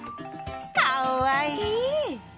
かっわいい！